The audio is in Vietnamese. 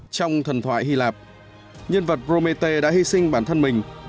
trong thần thoại hy lạp nhân vật promete đã hy sinh bản thân mình